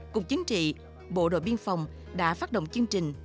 cục chính trị bộ đội biên phòng đã phát động chương trình